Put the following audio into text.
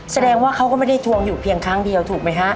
แสดงว่าเขาก็ไม่ได้ทวงอยู่เพียงครั้งเดียวถูกไหมฮะ